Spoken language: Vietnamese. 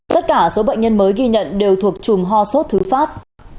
tất cả số bệnh nhân mới ghi nhận đều thuộc chùm ho sốt thứ phát